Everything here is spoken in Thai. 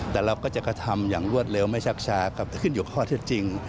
แต่เราก็จะกระทำอย่างรวดเร็วไม่ชักช้ากลับขึ้นอยู่ข้อเท็จจริง